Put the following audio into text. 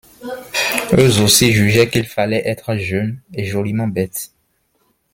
Eux aussi jugeaient qu’il fallait être jeune et joliment bête.